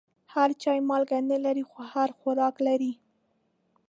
هر چای مالګه نه لري، خو هر خوراک لري.